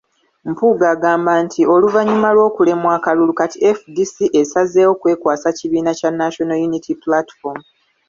Mpuuga agamba nti oluvannyuma lw’okulemwa akalulu kati FDC esazeewo kwekwasa kibiina kya National Unity Platform.